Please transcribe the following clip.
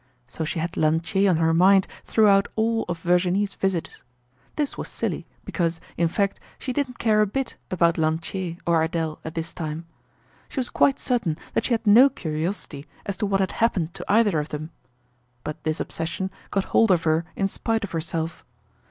So she had Lantier on her mind throughout all of Virginie's visits. This was silly because, in fact, she didn't care a bit about Lantier or Adele at this time. She was quite certain that she had no curiosity as to what had happened to either of them. But this obsession got hold of her in spite of herself.